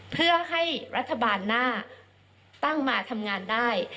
เพื่อให้รัฐบาลหน้าตั้งมาทำงานได้